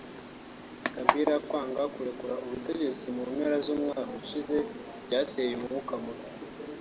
Kabila kwanga kurekura ubutegetsi mu mpera z’umwaka ushize byateje umwuka mubi